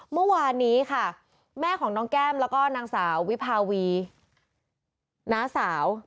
เมื่อวานนี้ค่ะแม่ของน้องแก้มแล้วก็นางสาววิภาวีน้าสาว